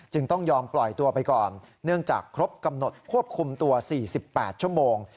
ต้องยอมปล่อยตัวไปก่อนเนื่องจากครบกำหนดควบคุมตัว๔๘ชั่วโมง